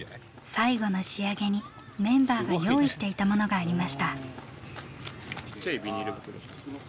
最後の仕上げにメンバーが用意していたものがありました。